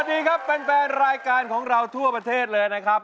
สวัสดีครับแฟนรายการของเราทั่วประเทศเลยนะครับ